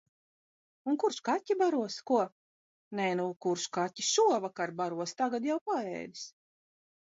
Un kurš kaķi baros? Ko? Nē nu, kurš kaķi šovakar baros, tagad jau paēdis.